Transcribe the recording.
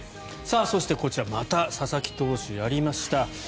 そしてこちらまた佐々木投手やりました。